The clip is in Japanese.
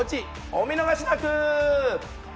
お見逃しなく。